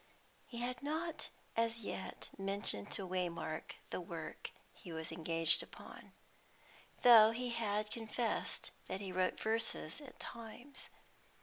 He had not as yet mentioned to Waymark the work he was engaged upon, though he had confessed that he wrote verses at times.